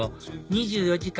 ２４時間